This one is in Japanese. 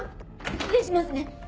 ・失礼しますね。